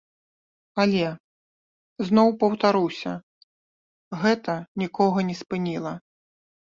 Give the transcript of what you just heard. Але, зноў паўтаруся, гэта нікога не спыніла.